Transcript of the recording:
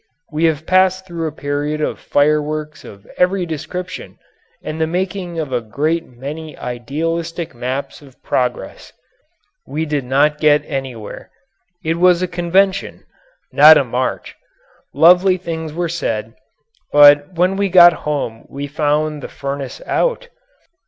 We have passed through a period of fireworks of every description, and the making of a great many idealistic maps of progress. We did not get anywhere. It was a convention, not a march. Lovely things were said, but when we got home we found the furnace out.